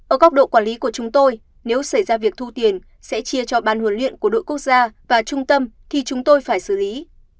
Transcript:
ở góc độ quản lý của chúng tôi nếu xảy ra việc thu tiền sẽ chia cho ban huấn luyện của đội quốc gia và trung tâm thì chúng tôi phải xử lý